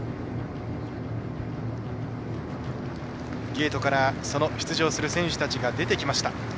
ゲートから出場する選手たちが出てきました。